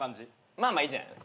まあまあいいじゃない。